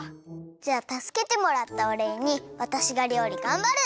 じゃあたすけてもらったおれいにわたしがりょうりがんばる！